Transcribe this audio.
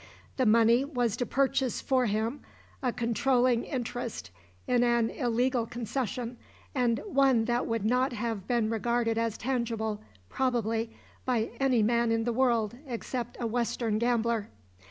The money was to purchase for him a controling interest in an illegal concession and one that would not have been regarded as tangible, probably, by any man in the world except a Western gambler.